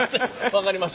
分かりました。